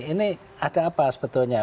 ini ada apa sebetulnya